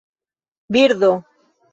birdo